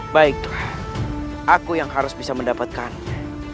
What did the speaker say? baik aku yang harus bisa mendapatkannya